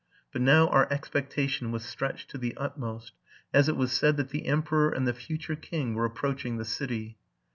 But now our expectation was RELATING TO MY LIFE. by) stretched to the utmost, as it was said that the emperor and the future king were approaching the city.